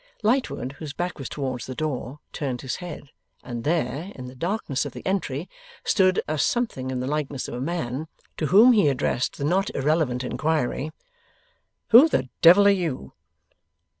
Lightwood, whose back was towards the door, turned his head, and there, in the darkness of the entry, stood a something in the likeness of a man: to whom he addressed the not irrelevant inquiry, 'Who the devil are you?